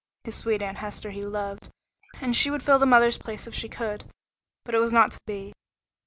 His sweet Aunt Hester he loved, and she would fill the mother's place if she could, but it was not to be.